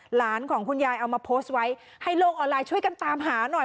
หลานของคุณยายเอามาโพสต์ไว้ให้โลกออนไลน์ช่วยกันตามหาหน่อย